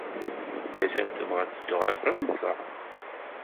Mazal tebɣa ad teddu ɣer Fṛansa?